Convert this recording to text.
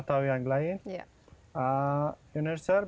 ketika saya datang ke indonesia saya tinggal di cesarwa